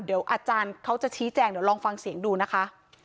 เดี๋ยวอาจารย์เขาจะชี้แจงเดี๋ยวลองฟังเสียงดูนะคะ